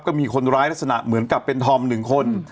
ก็มีคนร้ายลักษณะเหมือนกับเป็นธอม๑คน